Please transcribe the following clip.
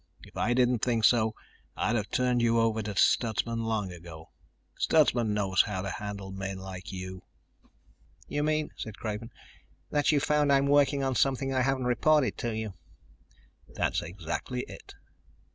If I didn't think so, I'd have turned you over to Stutsman long ago. Stutsman knows how to handle men like you." "You mean," said Craven, "that you've found I'm working on something I haven't reported to you." "That's exactly it."